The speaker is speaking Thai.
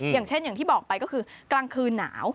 อย่างเช่นอย่างที่บอกไปก็คือกลางคืนหนาว